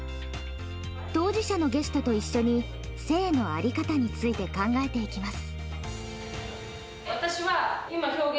当事者のゲストと一緒に性の在り方について考えていきます。